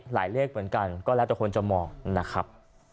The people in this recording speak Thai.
เลขเหมือนกันก็แล้วแต่คนจะมองนะครับ